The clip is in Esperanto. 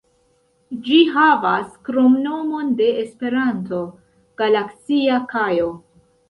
Ĝi havas kromnomon de Esperanto, "Galaksia Kajo".